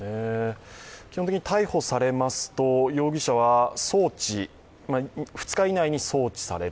基本的に逮捕されますと容疑者は２日以内に送致される。